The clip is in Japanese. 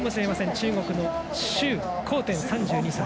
中国の周洪転、３２歳。